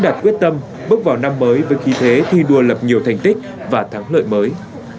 quyết tâm bước vào năm mới với khí thế thi đua lập nhiều thành tích và thắng lợi mới